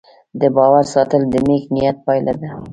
د باور ساتل د نیک نیت پایله ده.